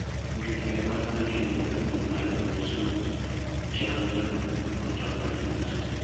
Buli lwe yabanga alagirira omuntu nga ayagala okusonga ku kyamugamba, ng'omukono tagwanjuluza.